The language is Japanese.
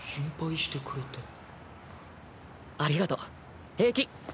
ありがとう平気。